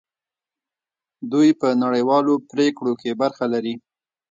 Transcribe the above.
دوی په نړیوالو پریکړو کې برخه لري.